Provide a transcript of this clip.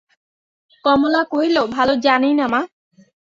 কমলা কহিল, ভালো জানি না মা!